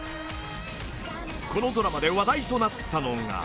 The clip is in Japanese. ［このドラマで話題となったのが］